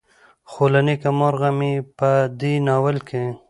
خو له نيکه مرغه مې په دې ناول کې